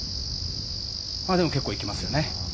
でも結構いきますよね。